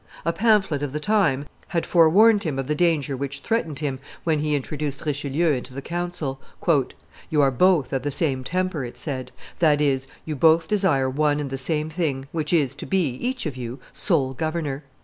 A pamphlet of the time had forewarned him of the danger which threatened him when he introduced Richelieu into the council. "You are both of the same temper," it said; "that is, you both desire one and the same thing, which is, to be, each of you, sole governor.